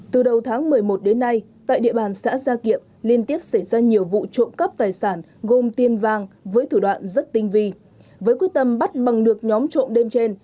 từ đầu tháng một mươi một đến nay tại địa bàn xã gia kiệm liên tiếp xảy ra nhiều vụ trộm cắp tài sản gồm tiền vàng với thủ đoạn rất tinh vi với quyết tâm bắt bằng được nhóm trộm đêm trên